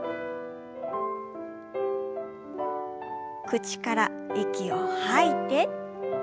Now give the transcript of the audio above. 口から息を吐いて。